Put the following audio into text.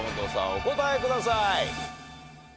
お答えください。